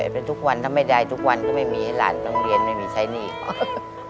เป็นทุกวันถ้าไม่ได้ทุกวันก็ไม่มีให้หลานต้องเรียนไม่มีใช้หนี้ก่อน